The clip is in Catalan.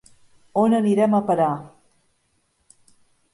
On anirem a parar!